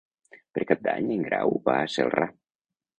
Per Cap d'Any en Grau va a Celrà.